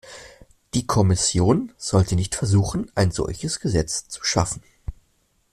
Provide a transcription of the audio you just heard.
Die Kommission sollte nicht versuchen, ein solches Gesetz zu schaffen.